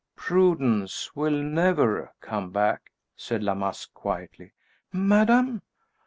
"Prudence will never come back," said La Masque, quietly. "Madame!"